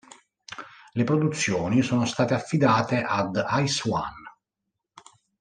Le produzioni sono state affidate ad Ice One